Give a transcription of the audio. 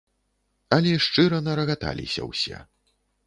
Але шчыра нарагаталіся ўсе.